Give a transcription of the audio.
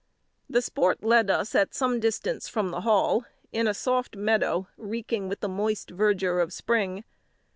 The sport led us at some distance from the Hall, in a soft meadow reeking with the moist verdure of spring.